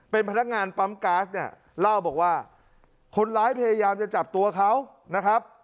เป็นพนักงานปั๊มก๊าซเนี่ยเล่าบอกว่าคนร้ายพยายามจะจับตัวเขานะครับ